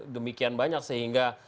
demikian banyak sehingga